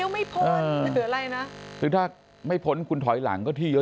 ไม่ใช่ว่าเออเรียวไม่พ้นหุ่นเหลืออะไรนะ